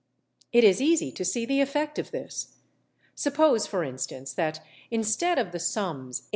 It is easy to see the effect of this. Suppose, for instance, that instead of the sums 84_l.